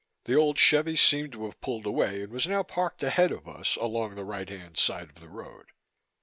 The old Chevy seemed to have pulled away and was now parked ahead of us along the righthand side of the road.